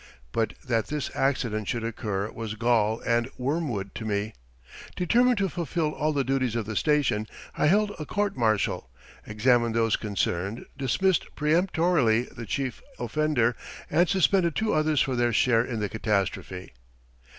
But that this accident should occur was gall and wormwood to me. Determined to fulfill all the duties of the station I held a court martial, examined those concerned, dismissed peremptorily the chief offender, and suspended two others for their share in the catastrophe.